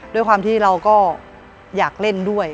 ด้วยความที่เราก็อยากเล่นด้วย